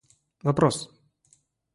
вопрос